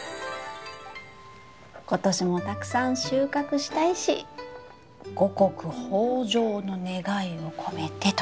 今年もたくさん収穫したいし五穀豊じょうの願いを込めてと。